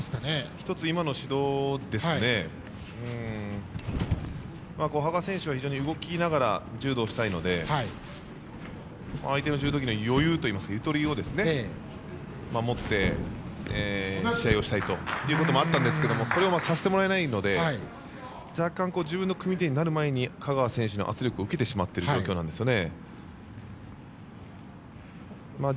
１つ今の指導が羽賀選手は動きながら柔道をしたいので相手の柔道に余裕というかゆとりを持って試合をしたいということもあったんですがそれをさせてもらえないので若干、自分の組み手になる前に香川選手の圧力を受けてしまっている状況なんですね。